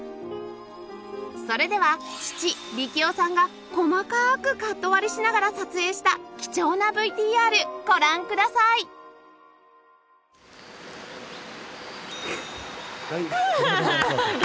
それでは父力夫さんが細かくカット割しながら撮影した貴重な ＶＴＲ ご覧くださいハハハハ！